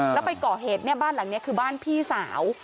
แล้วไปเกาะเหตุบ้านหลังนี้คือบ้านพี่สาว